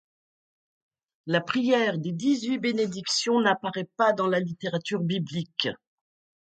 La prière des dix-huit bénédictions n’apparaît pas dans la littérature biblique.